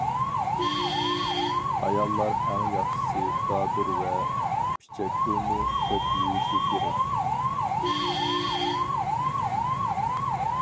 ئاياللار ئەڭ ياخشىسى دادۇر ۋە پىچەكگۈلنى كۆپ يېيىشى كېرەك.